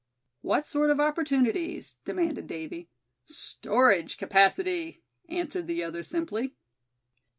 "What sort of opportunities?" demanded Davy. "Storage capacity," answered the other, simply.